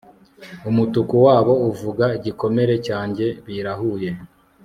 umutuku wabo uvuga igikomere cyanjye, birahuye